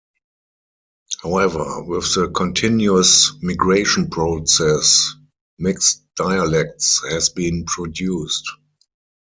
However, with the continuous migration process, mixed dialects has been produced.